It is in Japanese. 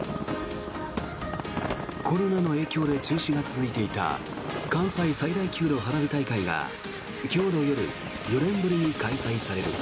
コロナの影響で中止が続いていた関西最大級の花火大会が今日の夜４年ぶりに開催される。